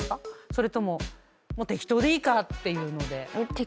それとももう適当でいいかっていうので。